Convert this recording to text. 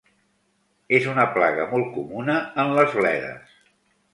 És una plaga molt comuna en les bledes.